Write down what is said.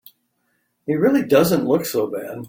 He really doesn't look so bad.